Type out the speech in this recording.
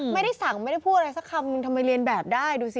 ไม่ได้สั่งไม่ได้พูดอะไรสักคำนึงทำไมเรียนแบบได้ดูสิ